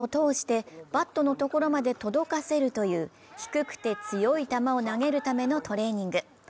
これはフープの中を通してバットのところまで届かせるという低くて強い球を投げるためのトレーニング。